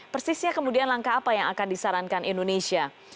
persisnya kemudian langkah apa yang akan disarankan indonesia